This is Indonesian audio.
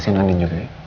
ini ada apa ma